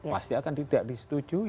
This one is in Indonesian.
pasti akan tidak disetujui